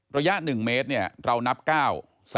ระยะ๑เมตรเรานับ๓เก้า